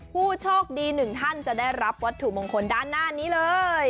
ผู้โชคดีหนึ่งท่านจะได้รับวัตถุมงคลด้านหน้านี้เลย